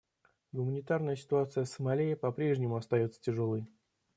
Гуманитарная ситуация в Сомали по-прежнему остается тяжелой.